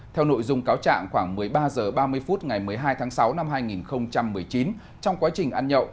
theo nội dung cáo trạng khoảng một mươi ba h ba mươi phút ngày một mươi hai tháng sáu năm hai nghìn một mươi chín trong quá trình ăn nhậu